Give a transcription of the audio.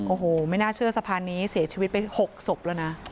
โอ้โหไม่น่าเชื่อสะพานนี้เสียชีวิตไป๖ศพแล้วนะ